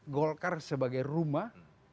golkar sebagai rumah